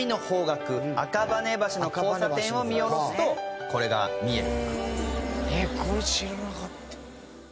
赤羽橋の交差点を見下ろすとこれが見える。